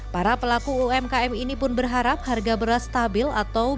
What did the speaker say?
para pelaku umkm ini pun berharap harga beras stabil atau